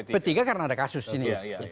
p tiga karena ada kasus ini